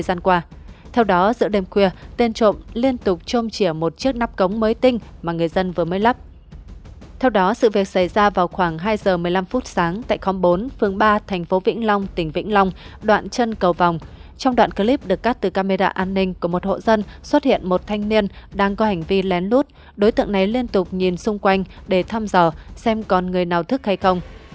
xuất hiện một thanh niên đang có hành vi lén lút đối tượng này liên tục nhìn xung quanh để thăm dò xem còn người nào thức hay không